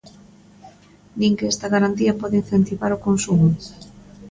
Din que esta garantía pode incentivar o consumo.